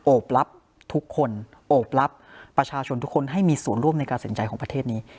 รับทุกคนโอบรับประชาชนทุกคนให้มีส่วนร่วมในการสินใจของประเทศนี้